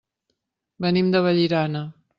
Venim de Vallirana.